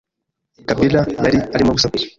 Kabila yari arimo gusakuza